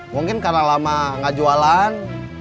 mungkin karang lama nggak jualan